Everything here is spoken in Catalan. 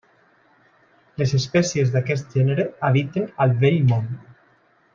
Les espècies d'aquest gènere habiten al Vell Món.